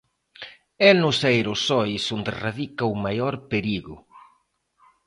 É nos aerosois onde radica o maior perigo.